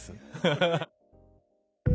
ハハハッ。